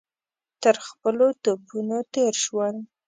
تر خپلو توپونو تېر شول.